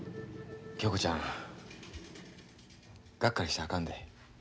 恭子ちゃんがっかりしたらあかんで。